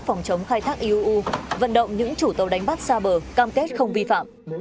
phòng chống khai thác iuu vận động những chủ tàu đánh bắt xa bờ cam kết không vi phạm